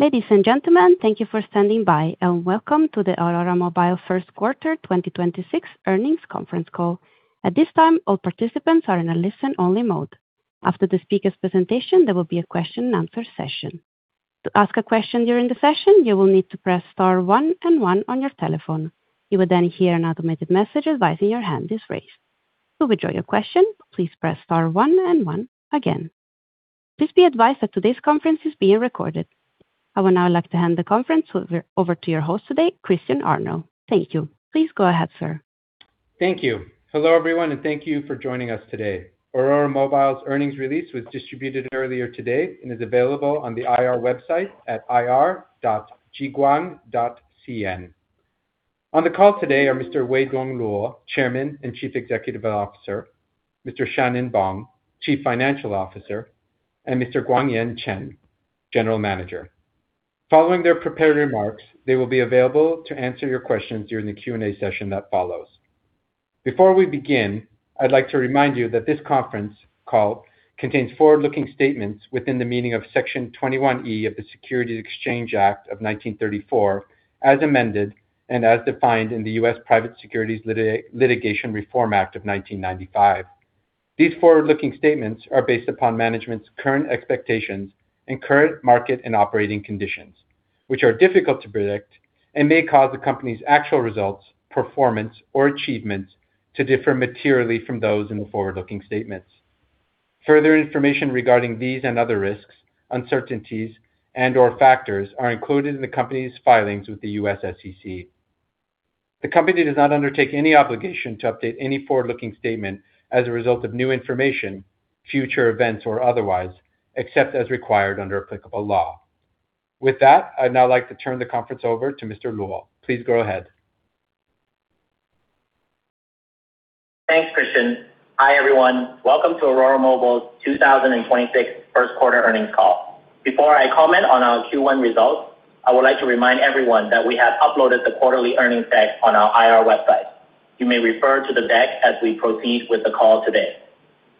Ladies and gentlemen, thank you for standing by and welcome to the Aurora Mobile first quarter 2026 earnings conference call. At this time, all participants are in a listen-only mode. After the speaker presentation, there will be a question-and-answer session. To ask a question during the session, you will need to press star one and one on your telephone. You will then hear an automated message advising your hand is raised. To withdraw your question, please press star one and one again. Please be advised that today's conference is being recorded. I would now like to hand the conference over to your host today, Christian Arnell. Thank you. Please go ahead, sir. Thank you. Hello, everyone, and thank you for joining us today. Aurora Mobile's earnings release was distributed earlier today and is available on the IR website at ir.jiguang.cn. On the call today are Mr. Weidong Luo, Chairman and Chief Executive Officer, Mr. Shan-Nen Bong, Chief Financial Officer, and Mr. Guangyan Chen, General Manager. Following their prepared remarks, they will be available to answer your questions during the Q&A session that follows. Before we begin, I'd like to remind you that this conference call contains forward-looking statements within the meaning of Section 21E of the Securities Exchange Act of 1934, as amended, and as defined in the U.S. Private Securities Litigation Reform Act of 1995. These forward-looking statements are based upon management's current expectations and current market and operating conditions, which are difficult to predict and may cause the company's actual results, performance, or achievements to differ materially from those in the forward-looking statements. Further information regarding these and other risks, uncertainties, and/or factors are included in the company's filings with the U.S. SEC. The company does not undertake any obligation to update any forward-looking statement as a result of new information, future events, or otherwise, except as required under applicable law. With that, I'd now like to turn the conference over to Mr. Luo. Please go ahead. Thanks, Christian. Hi, everyone. Welcome to Aurora Mobile's 2026 first quarter earnings call. Before I comment on our Q1 results, I would like to remind everyone that we have uploaded the quarterly earnings deck on our IR website. You may refer to the deck as we proceed with the call today.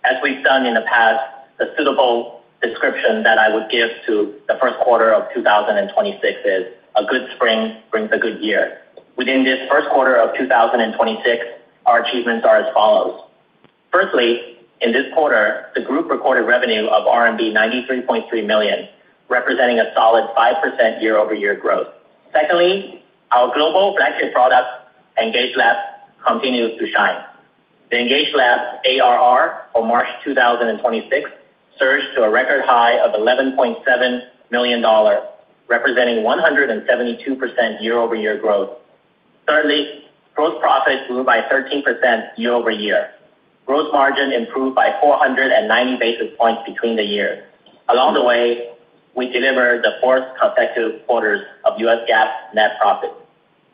As we've done in the past, the suitable description that I would give to the first quarter of 2026 is, a good spring brings a good year. Within this first quarter of 2026, our achievements are as follows. Firstly, in this quarter, the group recorded revenue of RMB 93.3 million, representing a solid 5% year-over-year growth. Secondly, our global flagship product, EngageLab, continues to shine. The EngageLab ARR for March 2026 surged to a record high of $11.7 million, representing 172% year-over-year growth. Thirdly, gross profit grew by 13% year-over-year. Gross margin improved by 490 basis points between the years. Along the way, we delivered the fourth consecutive quarters of GAAP net profit.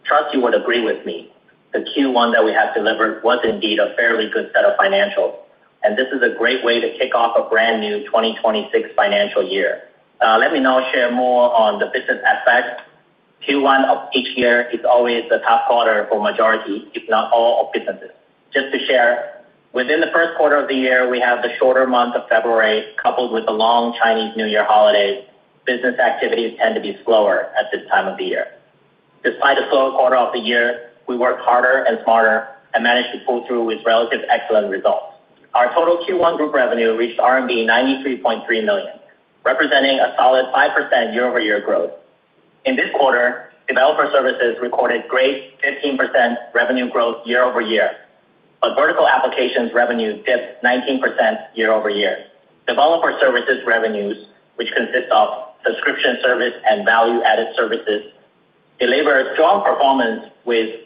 Trust you would agree with me. The Q1 that we have delivered was indeed a fairly good set of financials, and this is a great way to kick off a brand-new 2026 financial year. Let me now share more on the business aspect. Q1 of each year is always the top quarter for majority, if not all, of businesses. Just to share, within the first quarter of the year, we have the shorter month of February, coupled with the long Chinese New Year holidays, business activities tend to be slower at this time of the year. Despite the slower quarter of the year, we worked harder and smarter and managed to pull through with relatively excellent results. Our total Q1 group revenue reached RMB 93.3 million, representing a solid 5% year-over-year growth. In this quarter, developer services recorded great 15% revenue growth year-over-year, but vertical applications revenues dipped 19% year-over-year. Developer services revenues, which consist of subscription service and Value-Added Services, delivered strong performance with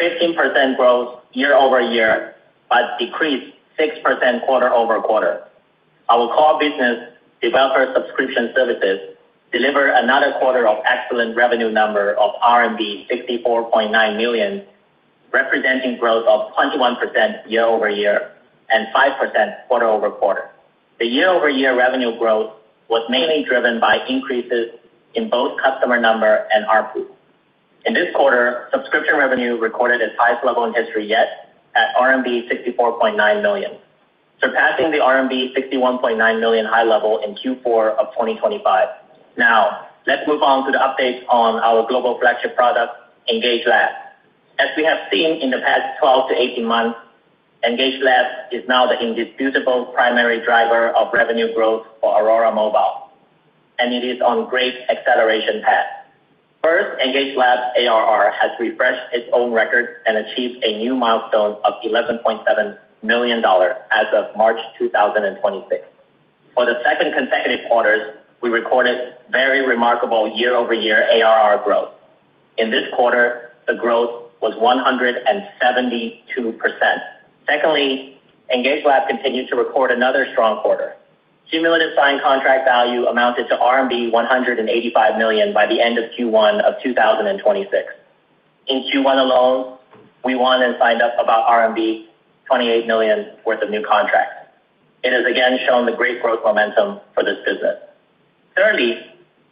15% growth year-over-year, but decreased 6% quarter-over-quarter. Our core business, Developer Subscription Services, delivered another quarter of excellent revenue number of RMB 64.9 million, representing growth of 21% year-over-year and 5% quarter-over-quarter. The year-over-year revenue growth was mainly driven by increases in both customer number and ARPU. In this quarter, subscription revenue recorded its highest level in history yet, at RMB 64.9 million, surpassing the RMB 61.9 million high level in Q4 of 2025. Let's move on to the update on our global flagship product, EngageLab. As we have seen in the past 12-18 months, EngageLab is now the indisputable primary driver of revenue growth for Aurora Mobile, and it is on great acceleration path. First, EngageLab ARR has refreshed its own record and achieved a new milestone of $11.7 million as of March 2026. For the second consecutive quarter, we recorded very remarkable year-over-year ARR growth. In this quarter, the growth was 172%. Secondly, EngageLab continues to record another strong quarter. Cumulated signed contract value amounted to RMB 185 million by the end of Q1 of 2026. In Q1 alone, we won and signed up about RMB 28 million worth of new contracts. It has again shown the great growth momentum for this business. Thirdly,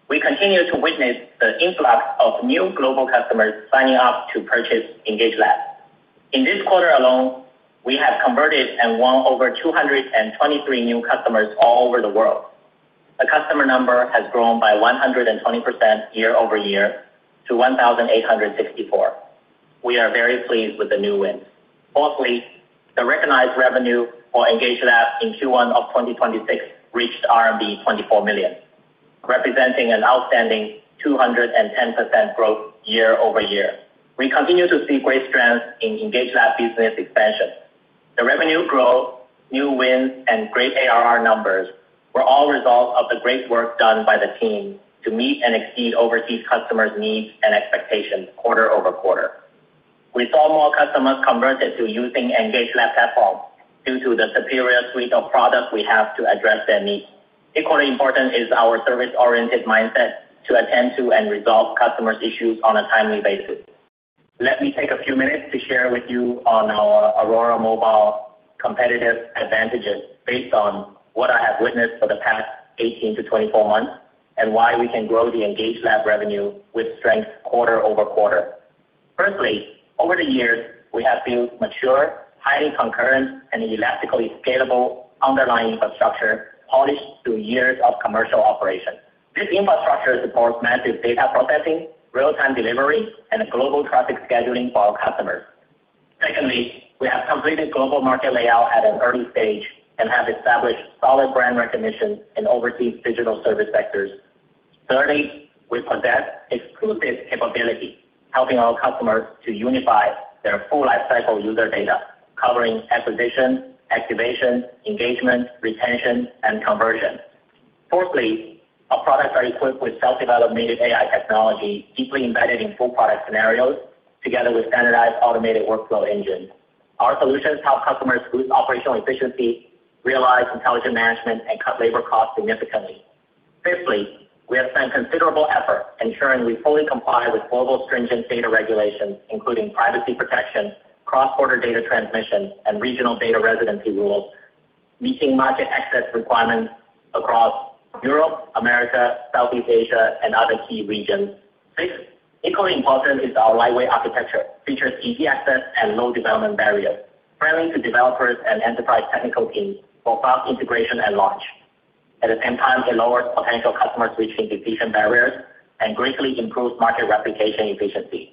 we continue to witness the influx of new global customers signing up to purchase EngageLab. In this quarter alone, we have converted and won over 223 new customers all over the world. The customer number has grown by 120% year-over-year to 1,864. We are very pleased with the new wins. Fourthly, the recognized revenue for EngageLab in Q1 of 2026 reached RMB 24 million, representing an outstanding 210% growth year-over-year. We continue to see great strength in EngageLab business expansion. The revenue growth, new wins, and great ARR numbers were all results of the great work done by the team to meet and exceed overseas customers' needs and expectations quarter-over-quarter. We saw more customers converted to using EngageLab platform due to the superior suite of products we have to address their needs. Equally important is our service-oriented mindset to attend to and resolve customer issues on a timely basis. Let me take a few minutes to share with you on our Aurora Mobile competitive advantages based on what I have witnessed for the past 18-24 months, and why we can grow the EngageLab revenue with strength quarter-over-quarter. Firstly, over the years, we have built mature, highly concurrent, and elastically scalable underlying infrastructure polished through years of commercial operation. This infrastructure supports massive data processing, real-time delivery, and global traffic scheduling for our customers. Secondly, we have completed global market layout at an early stage and have established solid brand recognition in overseas digital service sectors. Thirdly, we possess exclusive capabilities helping our customers to unify their full lifecycle user data, covering acquisition, activation, engagement, retention, and conversion. Fourthly, our products are equipped with self-developed native AI technology deeply embedded in full-product scenarios, together with standardized automated workflow engines. Our solutions help customers boost operational efficiency, realize intelligent management, and cut labor costs significantly. Fifthly, we have spent considerable effort ensuring we fully comply with global stringent data regulations, including privacy protection, cross-border data transmission, and regional data residency rules, meeting market access requirements across Europe, America, Southeast Asia, and other key regions. Sixth, equally important is our lightweight architecture features easy access and low development barriers, friendly to developers and enterprise technical teams for fast integration and launch. It can times the lower potential customers' reaching decision barriers and greatly improve market replication efficiency.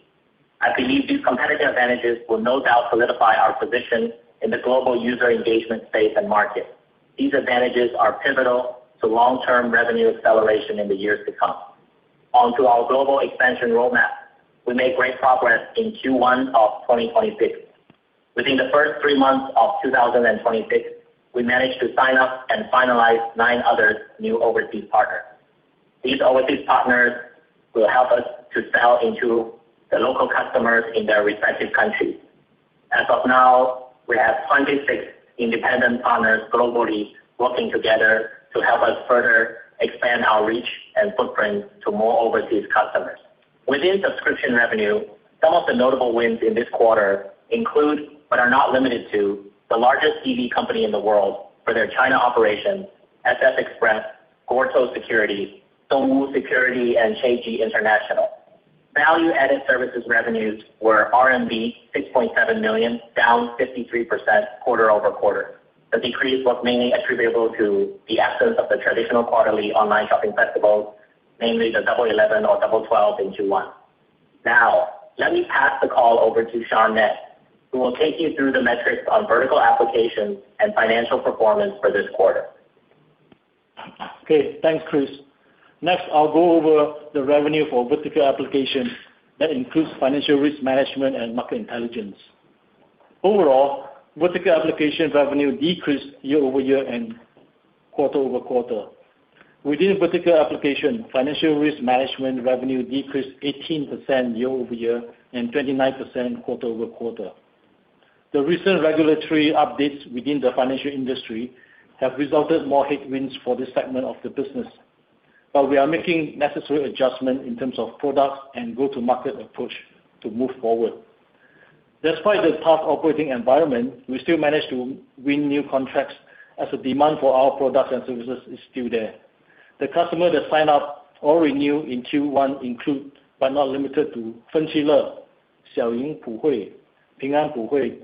I believe these competitive advantages will no doubt solidify our position in the global user engagement space and market. These advantages are pivotal to long-term revenue acceleration in the years to come. On to our global expansion roadmap. We made great progress in Q1 of 2026. Within the first three months of 2026, we managed to sign up and finalize nine other new overseas partners. These overseas partners will help us to sell into the local customers in their respective countries. As of now, we have 26 independent partners globally working together to help us further expand our reach and footprint to more overseas customers. Within subscription revenue, some of the notable wins in this quarter include, but are not limited to, the largest courier delivery company in the world for their China operations, SF Express, Guotai Securities, [Thomu] Security, and JD International. Value-added services revenues were RMB 6.7 million, down 53% quarter-over-quarter. The decrease was mainly attributable to the absence of the traditional quarterly online shopping festivals, namely the Double 11 or Double 12 in Q1. Let me pass the call over to Shan-Nen, who will take you through the metrics on vertical applications and financial performance for this quarter. Okay. Thanks, Chris. Next, I'll go over the revenue for vertical applications that includes Financial Risk Management and Market Intelligence. Overall, vertical application revenue decreased year-over-year and quarter-over-quarter. Within vertical application, Financial Risk Management revenue decreased 18% year-over-year and 29% quarter-over-quarter. The recent regulatory updates within the financial industry have resulted more headwinds for this segment of the business, but we are making necessary adjustments in terms of products and go-to-market approach to move forward. Despite the tough operating environment, we still managed to win new contracts as the demand for our products and services is still there. The customers that sign up or renew in Q1 include, but not limited to, Fenqile, Xiaoying Puhui, Ping An Puhui,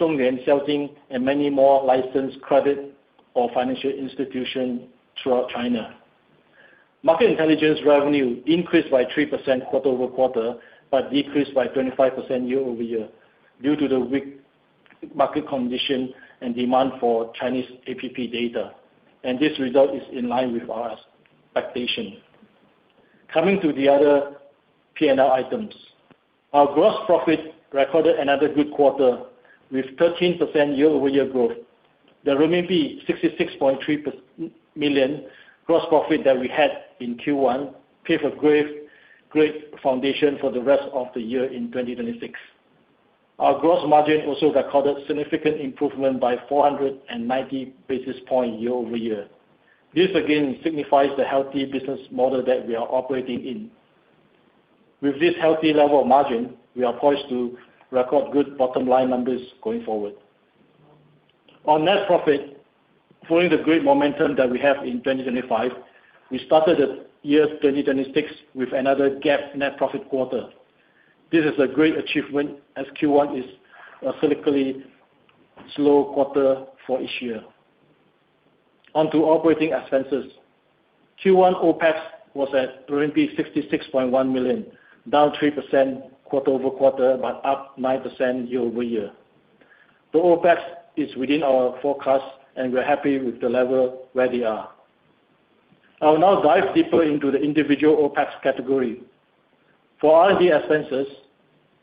Zhonglian Xiaojin, and many more licensed credit or financial institutions throughout China. Market intelligence revenue increased by 3% quarter-over-quarter but decreased by 25% year-over-year due to the weak market condition and demand for Chinese APP data. This result is in line with our expectations. Coming to the other P&L items. Our gross profit recorded another good quarter with 13% year-over-year growth. The remaining 66.3 million gross profit that we had in Q1 gave a great foundation for the rest of the year in 2026. Our gross margin also recorded significant improvement by 490 basis point year-over-year. This again signifies the healthy business model that we are operating in. With this healthy level of margin, we are poised to record good bottom-line numbers going forward. On net profit, following the great momentum that we had in 2025, we started year 2026 with another GAAP net profit quarter. This is a great achievement as Q1 is a cyclically slow quarter for each year. On to operating expenses. Q1 OpEx was at 66.1 million, down 3% quarter-over-quarter, but up 9% year-over-year. The OpEx is within our forecast, and we're happy with the level where they are. I'll now dive deeper into the individual OpEx category. For R&D expenses,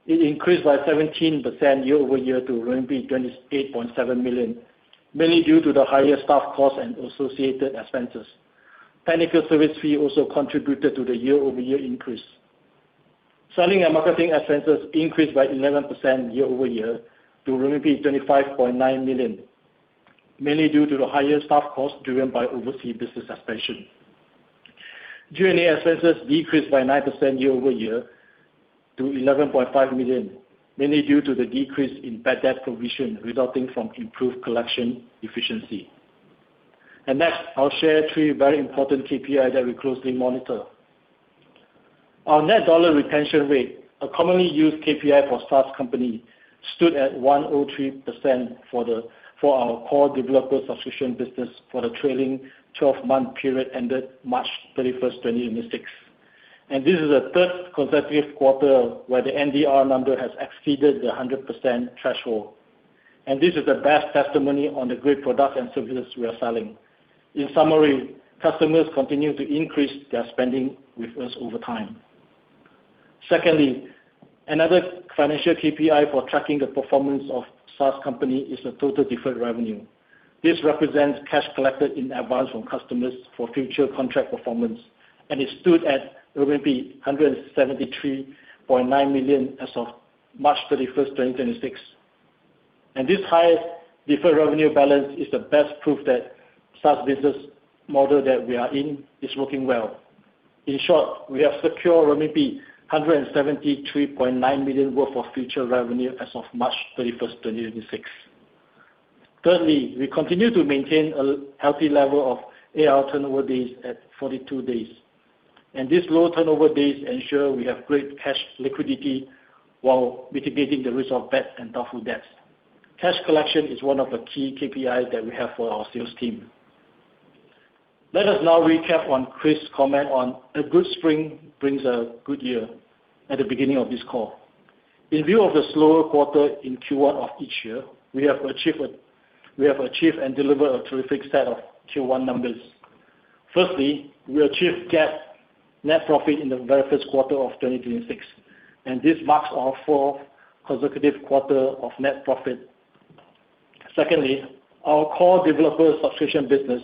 it increased by 17% year-over-year to 28.7 million, mainly due to the higher staff cost and associated expenses. Technical service fee also contributed to the year-over-year increase. Selling and marketing expenses increased by 11% year-over-year to 25.9 million, mainly due to the higher staff cost driven by overseas business expansion. G&A expenses decreased by 9% year-over-year to 11.5 million, mainly due to the decrease in bad debt provision resulting from improved collection efficiency. Next, I'll share three very important KPI that we closely monitor. On net dollar retention rate, a commonly used KPI for SaaS company, stood at 103% for our core developer subscription business for the trailing 12-month period ended March 31st, 2026. This is the third consecutive quarter where the NDR number has exceeded the 100% threshold. This is the best testimony on the great product and services we are selling. In summary, customers continue to increase their spending with us over time. Secondly, another financial KPI for tracking the performance of SaaS company is the total deferred revenue. This represents cash collected in advance from customers for future contract performance, and it stood at RMB 173.9 million as of March 31st, 2026. This high deferred revenue balance is the best proof that SaaS business model that we are in is working well. In short, we have secured RMB 173.9 million worth of future revenue as of March 31st, 2026. Thirdly, we continue to maintain a healthy level of ARR turnover days at 42 days. This low turnover days ensure we have great cash liquidity while mitigating the risk of bad and doubtful debts. Cash collection is one of the key KPIs that we have for our sales team. Let us now recap on Chris' comment on, "A good spring brings a good year," at the beginning of this call. In view of the slower quarter in Q1 of each year, we have achieved and delivered a terrific set of Q1 numbers. Firstly, we achieved GAAP net profit in the very first quarter of 2026. This marks our fourth consecutive quarter of net profit. Secondly, our core developer subscription business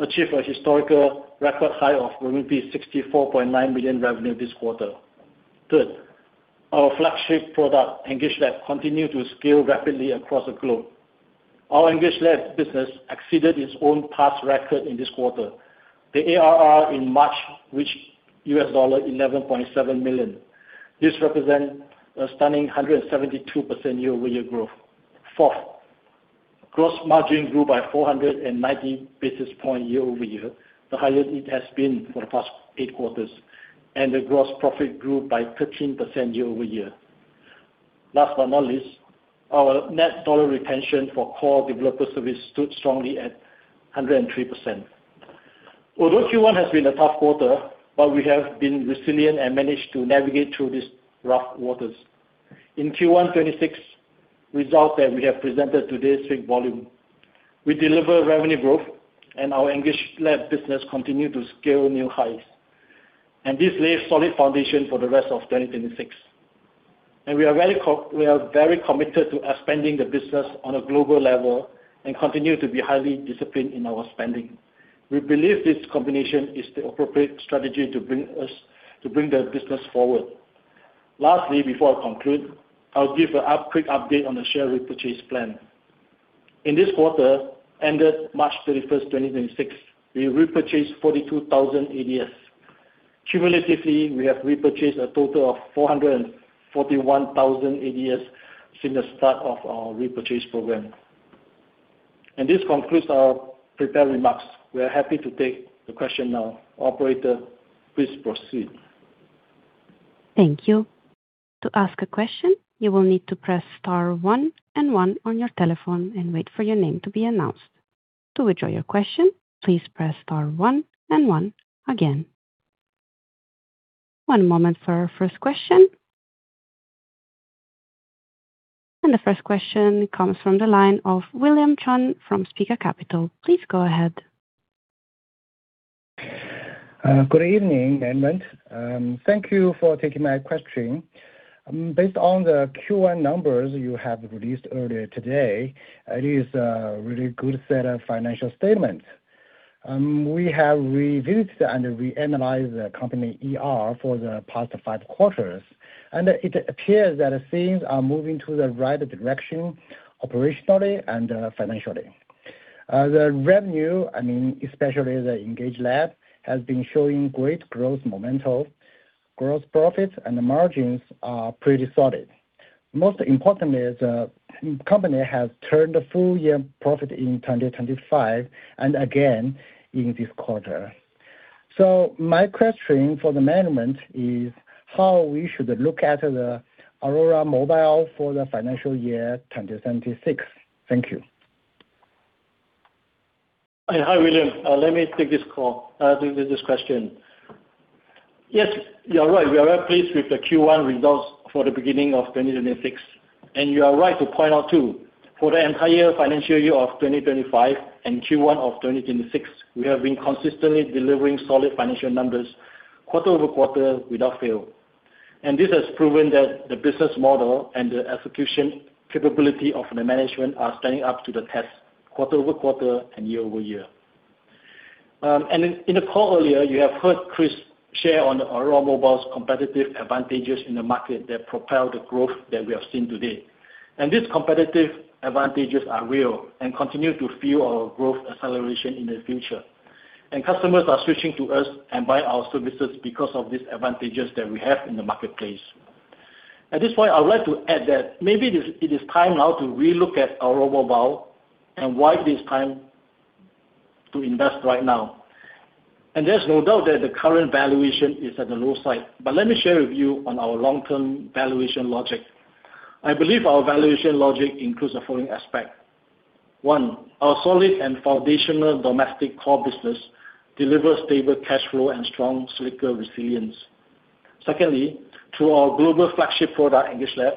achieved a historical record high of 64.9 million revenue this quarter. Third, our flagship product, EngageLab, continued to scale rapidly across the globe. Our EngageLab business exceeded its own past record in this quarter. The ARR in March reached $11.7 million. This represents a stunning 172% year-over-year growth. Fourth, gross margin grew by 490 basis points year-over-year, the highest it has been for the past eight quarters, and the gross profit grew by 13% year-over-year. Last but not least, our net dollar retention for core developer service stood strongly at 103%. Although Q1 has been a tough quarter, but we have been resilient and managed to navigate through these rough waters. In Q1 2026 result that we have presented today's big volume, we deliver revenue growth, and our EngageLab business continued to scale new highs, and this lays solid foundation for the rest of 2026. We are very committed to expanding the business on a global level and continue to be highly disciplined in our spending. We believe this combination is the appropriate strategy to bring the business forward. Lastly, before I conclude, I'll give a quick update on the share repurchase plan. In this quarter, ended March 31st, 2026, we repurchased 42,000 ADS. Cumulatively, we have repurchased a total of 441,000 ADS since the start of our repurchase program. This concludes our prepared remarks. We are happy to take the question now. Operator, please proceed. Thank you. To ask a question, you will need to press star one and one on your telephone and wait for your name to be announced. To withdraw your question, please press star one and one again. One moment for our first question. The first question comes from the line of William Chan from Spiga Capital. Please go ahead. Good evening, Edmund. Thank you for taking my question. Based on the Q1 numbers you have released earlier today, it is a really good set of financial statements. We have revisited and reanalyzed the company IR for the past five quarters. It appears that things are moving in the right direction operationally and financially. The revenue, especially EngageLab, has been showing great growth momentum. Gross profits and margins are pretty solid. Most importantly, the company has turned a full-year profit in 2025 and again in this quarter. My question for the management is how we should look at Aurora Mobile for the financial year 2026. Thank you. Hi, William. Let me take this question. Yes, you are right. We are very pleased with the Q1 results for the beginning of 2026, and you are right to point out too, for the entire financial year of 2025 and Q1 of 2026, we have been consistently delivering solid financial numbers quarter-over-quarter without fail. This has proven that the business model and the execution capability of the management are standing up to the test quarter-over-quarter and year-over-year. In the call earlier, you have heard Chris share on Aurora Mobile's competitive advantages in the market that propel the growth that we have seen today. These competitive advantages are real and continue to fuel our growth acceleration in the future. Customers are switching to us and buy our services because of these advantages that we have in the marketplace. At this point, I'd like to add that maybe it is time now to re-look at Aurora Mobile and why it is time to invest right now. There's no doubt that the current valuation is at the low side. Let me share with you on our long-term valuation logic. I believe our valuation logic includes the following aspects. One, our solid and foundational domestic core business delivers stable cash flow and strong cyclical resilience. Secondly, through our global flagship product, EngageLab,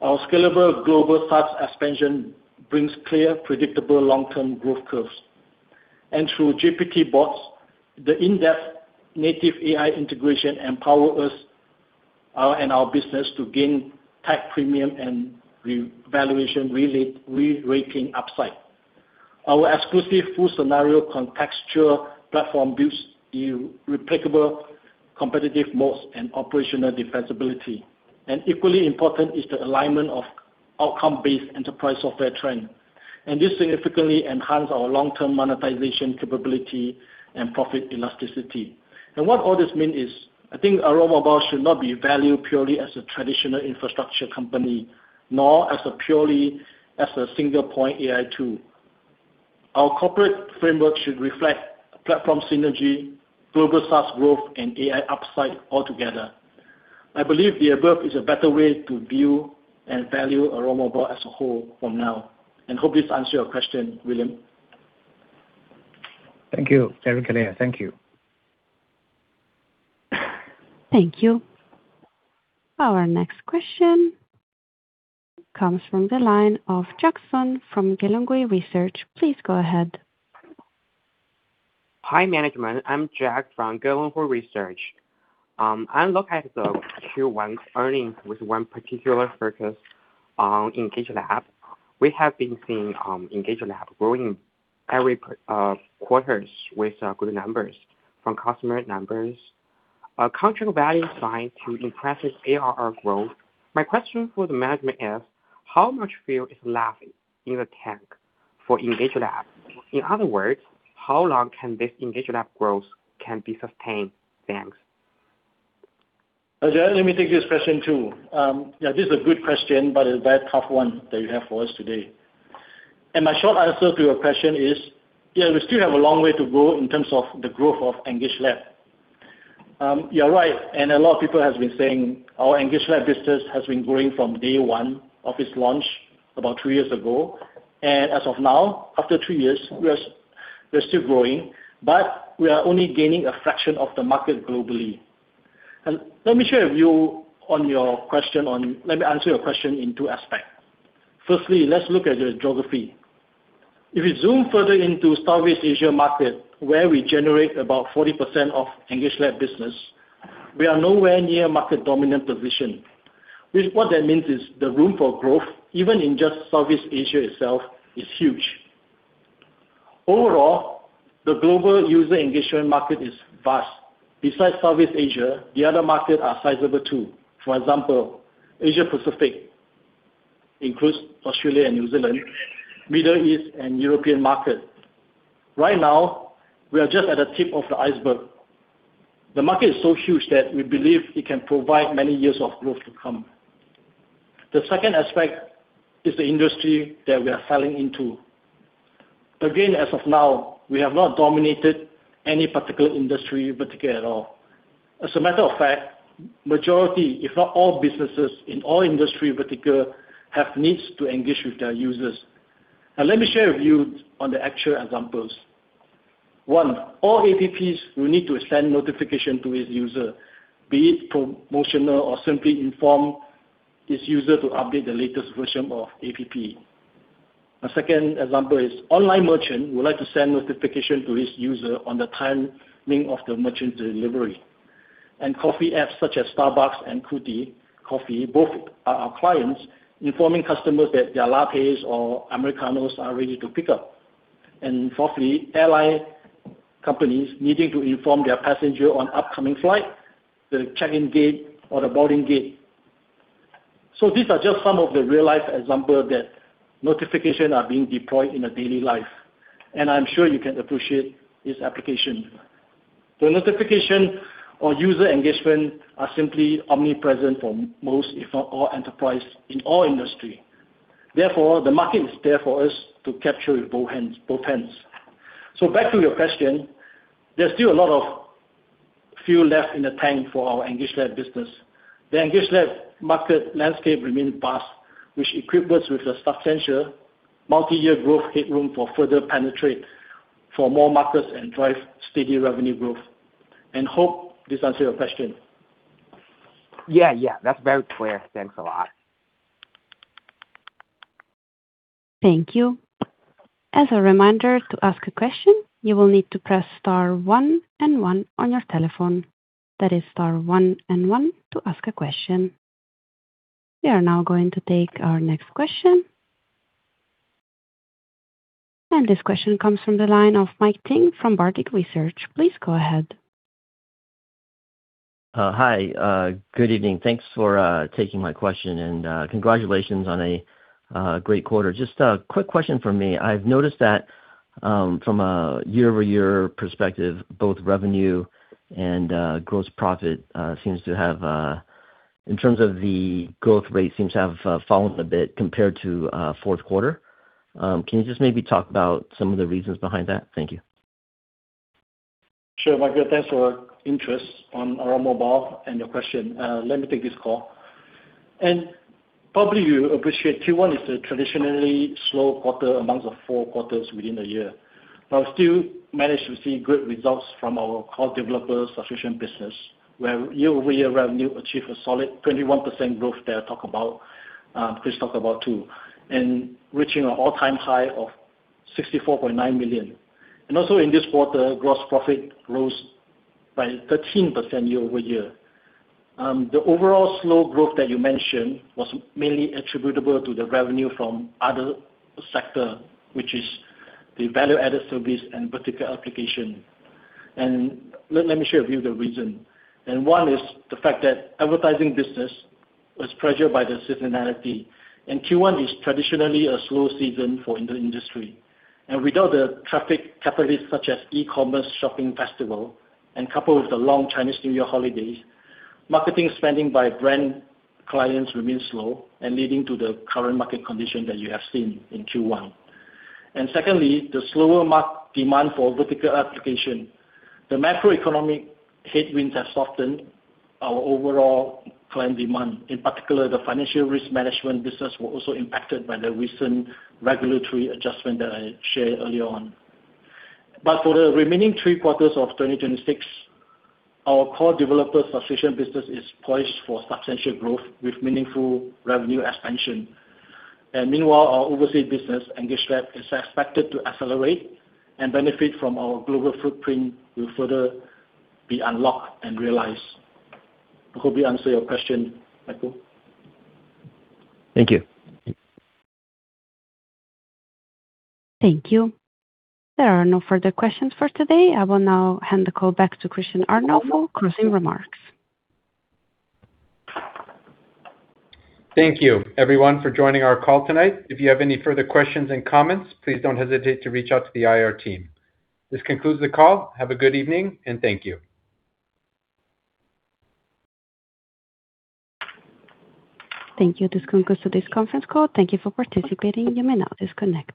our scalable global SaaS expansion brings clear, predictable long-term growth curves. Through GPTBots.ai, the in-depth native AI integration empower us and our business to gain tech premium and valuation re-rating upside. Our exclusive full-scenario contextual platform builds replicable competitive moats and operational defensibility. Equally important is the alignment of outcome-based enterprise software trend. This significantly enhance our long-term monetization capability and profit elasticity. What all this means is, I think Aurora Mobile should not be valued purely as a traditional infrastructure company, nor as a purely as a single point AI tool. Our corporate framework should reflect platform synergy, global SaaS growth, and AI upside altogether. I believe the above is a better way to view and value Aurora Mobile as a whole for now. Hope this answer your question, William. Thank you. Thank you. Thank you. Our next question comes from the line of Jack Sun from Gelonghui Research. Please go ahead. Hi, Management. I'm Jack from Gelonghui Research. I look at the Q1 earnings with one particular focus on EngageLab. We have been seeing EngageLab growing every quarters with good numbers from customer numbers, contractual value signed to impressive ARR growth. My question for the Management is how much fuel is left in the tank for EngageLab? In other words, how long can this EngageLab growth can be sustained? Thanks. Jack, let me take this question, too. Yeah, this is a good question, but a very tough one that you have for us today. My short answer to your question is, yeah, we still have a long way to go in terms of the growth of EngageLab. You're right, and a lot of people have been saying our EngageLab business has been growing from day one of its launch about three years ago. As of now, after three years, we are still growing, but we are only gaining a fraction of the market globally. Let me share with you on your question. Let me answer your question in two aspects. Firstly, let's look at the geography. If we zoom further into Southeast Asia market, where we generate about 40% of EngageLab business, we are nowhere near market dominant position. What that means is the room for growth, even in just Southeast Asia itself, is huge. Overall, the global user engagement market is vast. Besides Southeast Asia, the other markets are sizable too. For example, Asia Pacific includes Australia and New Zealand, Middle East, and European market. Right now, we are just at the tip of the iceberg. The market is so huge that we believe it can provide many years of growth to come. The second aspect is the industry that we are selling into. Again, as of now, we have not dominated any particular industry vertical at all. As a matter of fact, majority, if not all businesses in all industry vertical have needs to engage with their users. Let me share with you on the actual examples. One, all apps will need to send notification to its user, be it promotional or simply inform its user to update the latest version of app. A second example is online merchant would like to send notification to its user on the timing of the merchant delivery. Coffee apps such as Starbucks and Luckin Coffee, both are our clients, informing customers that their lattes or americanos are ready to pick up. Fourthly, airline companies needing to inform their passenger on upcoming flight, the check-in gate or the boarding gate. These are just some of the real-life examples that notifications are being deployed in daily life, and I'm sure you can appreciate its application. Notifications or user engagement are simply omnipresent for most, if not all, enterprise in all industry. Therefore, the market is there for us to capture with both hands. Back to your question, there's still a lot of fuel left in the tank for our EngageLab business. The EngageLab market landscape remains vast, which equips us with a substantial multi-year growth headroom for further penetrate for more markets and drive steady revenue growth. Hope this answers your question. Yeah. That's very clear. Thanks a lot. Thank you. As a reminder, to ask a question, you will need to press star one and one on your telephone. That is star one and one to ask a question. We are now going to take our next question. This question comes from the line of Mike Tang from Bartic Research. Please go ahead. Hi. Good evening. Thanks for taking my question, and congratulations on a great quarter. Just a quick question from me. I've noticed that from a year-over-year perspective, both revenue and gross profit, in terms of the growth rate, seems to have fallen a bit compared to fourth quarter. Can you just maybe talk about some of the reasons behind that? Thank you. Sure, Michael, thanks for your interest on Aurora Mobile and your question. Let me take this call. Probably you appreciate Q1 is a traditionally slow quarter amongst the four quarters within a year, but still managed to see great results from our core developer solution business, where year-over-year revenue achieved a solid 21% growth that Chris talked about too, reaching an all-time high of 64.9 million. Also in this quarter, gross profit rose by 13% year-over-year. The overall slow growth that you mentioned was mainly attributable to the revenue from other sector, which is the value-added service and vertical application. Let me share with you the reason. One is the fact that advertising business was pressured by the seasonality, Q1 is traditionally a slow season for the industry. Without the traffic catalyst such as e-commerce shopping festival and coupled with the long Chinese New Year holidays, marketing spending by brand clients remains slow and leading to the current market condition that you have seen in Q1. Secondly, the slower demand for vertical application. The macroeconomic headwinds have softened our overall client demand. In particular, the Financial Risk Management business was also impacted by the recent regulatory adjustment that I shared earlier on. For the remaining three quarters of 2026, our core developer solution business is poised for substantial growth with meaningful revenue expansion. Meanwhile, our overseas business, EngageLab, is expected to accelerate and benefit from our global footprint will further be unlocked and realized. Hope we answered your question, Mike. Thank you. Thank you. There are no further questions for today. I will now hand the call back to Christian Arnell for closing remarks. Thank you everyone for joining our call tonight. If you have any further questions and comments, please don't hesitate to reach out to the IR team. This concludes the call. Have a good evening, and thank you. Thank you. This concludes today's conference call. Thank you for participating. You may now disconnect.